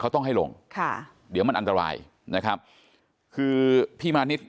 เขาต้องให้ลงค่ะเดี๋ยวมันอันตรายนะครับคือพี่มานิด